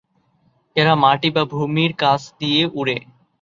এরা মাটি বা ভূমির কাছ দিয়ে উড়ে।